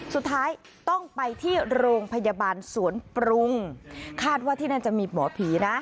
สุดท้ายต้องไปที่โรงพยาบาลสวนปรุงคาดว่าที่นั่นจะมีหมอผีนะ